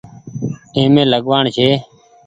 اي مين لگوآڻ ڇي۔